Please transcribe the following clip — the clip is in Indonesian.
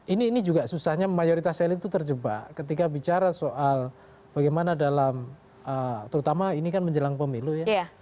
ini juga susahnya mayoritas elit itu terjebak ketika bicara soal bagaimana dalam terutama ini kan menjelang pemilu ya